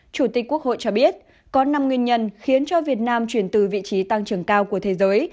chủ tịch quốc hội cho biết có năm nguyên nhân khiến cho việt nam chuyển từ vị trí tăng trưởng cao của thế giới